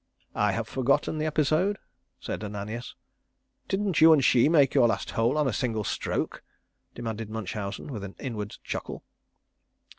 "I have forgotten the episode," said Ananias. "Didn't you and she make your last hole on a single stroke?" demanded Munchausen with an inward chuckle.